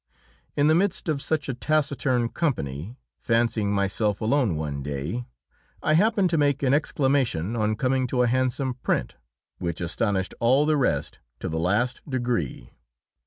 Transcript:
In the midst of such a taciturn company, fancying myself alone one day, I happened to make an exclamation on coming to a handsome print, which astonished all the rest to the last degree.